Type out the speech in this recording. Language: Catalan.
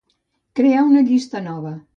Crear una llista nova.